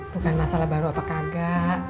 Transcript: bukan masalah baru apa kagak